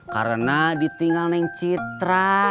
karena ditinggal yang citra